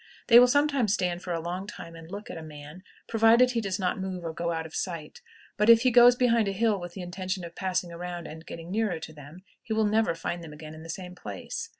They will sometimes stand for a long time and look at a man, provided he does not move or go out of sight; but if he goes behind a hill with the intention of passing around and getting nearer to them, he will never find them again in the same place.